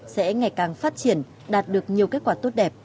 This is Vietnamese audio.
sẽ ngày càng phát triển đạt được nhiều kết quả tốt đẹp